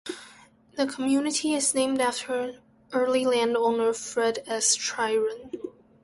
The community is named after early land owner Fred S. Tryon.